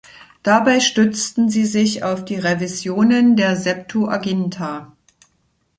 Dabei stützten sie sich auf die Revisionen der Septuaginta.